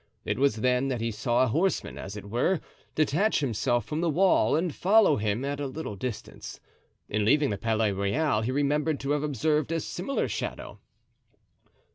It was then that he saw a horseman, as it were, detach himself from the wall and follow him at a little distance. In leaving the Palais Royal he remembered to have observed a similar shadow.